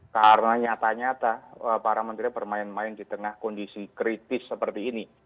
karena nyata nyata para menteri bermain main di tengah kondisi kritis seperti ini